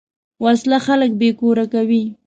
وسله خلک بېکور کوي